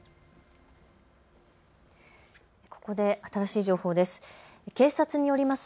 ここで新しい情報です。